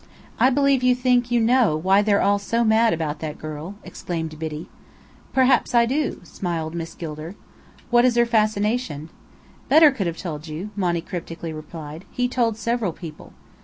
"I believe you think you know why they're all so mad about that girl!" exclaimed Biddy. "Perhaps I do," smiled Miss Gilder. "What is her fascination?" "Bedr could have told you," Monny cryptically replied. "He told several people."